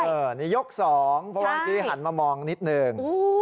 ตอนนี้ยก๒เพราะว่างที่หันมามองนิดหนึ่ง